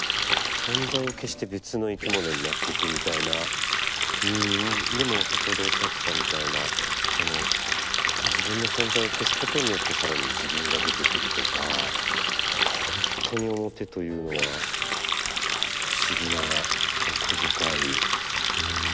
逆にこういう面をつけて一回でも先ほどおっしゃってたみたいな自分の存在を消すことによって更に自分が出てくるとか何か本当に面というのは何か不思議な奥深いうん。